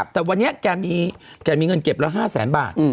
แต่วันนี้แกมีเงินเก็บละ๕แสนบาท